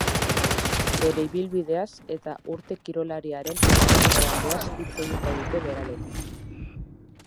Bere ibilbideaz eta urte kirolariaren ezkutuko aldeaz hitz egingo dute berarekin.